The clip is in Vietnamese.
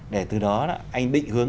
để từ đó anh định hướng